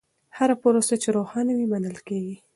هره پروسه چې روښانه وي، منل کېږي.